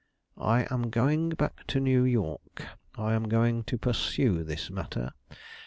"I am going back to New York, I am going to pursue this matter.